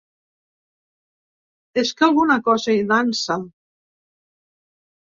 És que alguna cosa hi dansa.